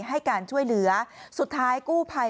ให้การช่วยเหลือสุดท้ายกู้ภัย